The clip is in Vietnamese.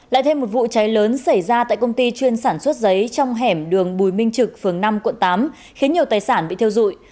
lại thêm một vụ cháy lớn xảy ra tại công ty chuyên sản xuất giấy trong hẻm đường bùi minh trực phường năm quận tám khiến nhiều tài sản bị theo dụi